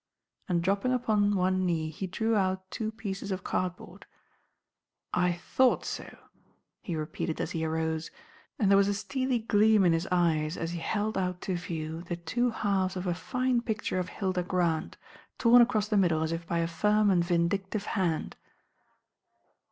and dropping upon one knee he drew out two pieces of cardboard. "I thought so," he repeated as he arose, and there was a steely gleam in his eyes as he held out to view the two halves of a fine picture of Hilda Grant, torn across the middle as if by a firm and vindictive hand.